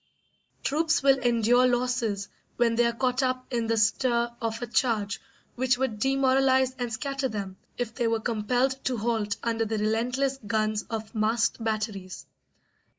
Troops will endure losses when they are caught up in the stir of a charge which would demoralise and scatter them if they were compelled to halt under the relentless guns of masked batteries.